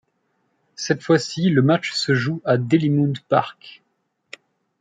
Cette fois-ci le match se joue à Dalymount Park.